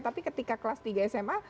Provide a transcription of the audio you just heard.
tapi ketika kelas tiga sma